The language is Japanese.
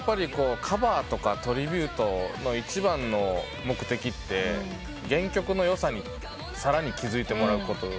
カバーとかトリビュートの一番の目的って原曲のよさにさらに気付いてもらうことだと思ったんですよね。